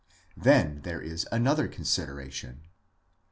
Then there is another considera tion.